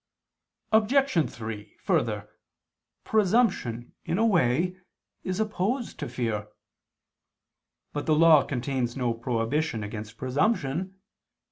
Obj. 3: Further, presumption, in a way, is opposed to fear. But the Law contains no prohibition against presumption.